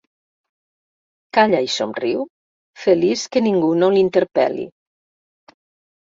Calla i somriu, feliç que ningú no l'interpel·li.